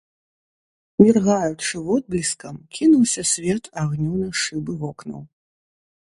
Міргаючы водбліскам, кінуўся свет агню на шыбы вокнаў.